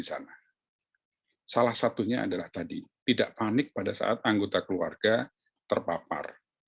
salah satunya adalah tadi tidak panik pada saat anggota keluarga terpapar